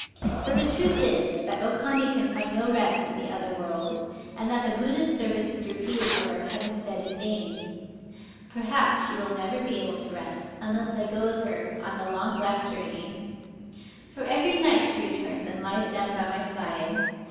But the truth is that O Kame can find no rest in the other world, ' and that the Buddhist services repeated for her vhave been ssud in vain. Perhaps she will never be able to rest unless I go with her on the long Digitized by Googk THE STORY OF 0 KAM£ 51 black journey. For every night she returns, and lies down by my side.